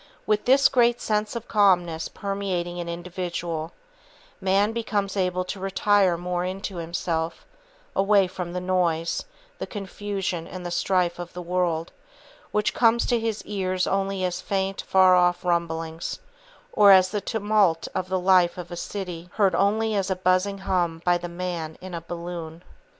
With this great sense of calmness permeating an individual, man becomes able to retire more into himself, away from the noise, the confusion and strife of the world, which come to his ears only as faint, far off rumblings, or as the tumult of the life of a city heard only as a buzzing hum by the man in a balloon.